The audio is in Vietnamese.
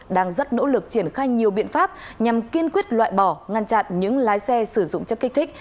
đang rất nỗ lực triển khai nhiều biện pháp nhằm kiên quyết loại bỏ ngăn chặn những lái xe sử dụng chất kích thích